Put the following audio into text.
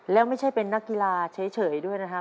แล้วไม่ใช่เป็นนักกีฬาเฉยด้วยนะครับ